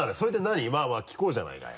まぁまぁ聞こうじゃないかよ。